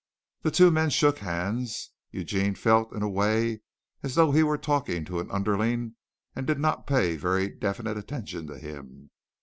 The two men shook hands. Eugene felt in a way as though he were talking to an underling, and did not pay very definite attention to him.